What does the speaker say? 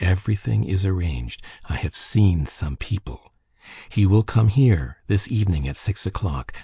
Everything is arranged. I have seen some people. He will come here this evening at six o'clock.